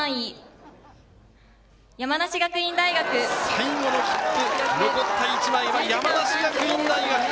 最後の切符、残った１枚は山梨学院大学。